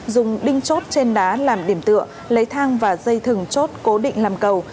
dùng đinh chốt trên đá làm điểm tựa lấy thang và dây thừng chốt cố định làm cầu